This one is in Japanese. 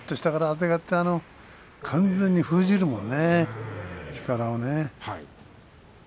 下からあてがって完全に封じるものね力をね。